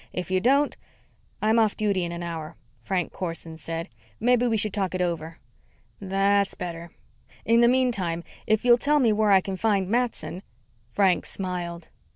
If you don't " "I'm off duty in an hour," Frank Corson said. "Maybe we should talk it over." "That's better. In the meantime, if you'll tell me where I can find Matson " Frank smiled.